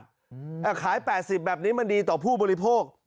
ขาย๘๐แบบนี้มันดีต่อผู้บริโภค